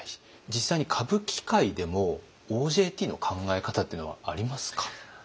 実際に歌舞伎界でもＯＪＴの考え方っていうのはありますか？